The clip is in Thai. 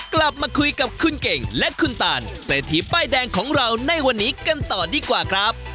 กลับมาคุยกับคุณเก่งและคุณตานเศรษฐีป้ายแดงของเราในวันนี้กันต่อดีกว่าครับ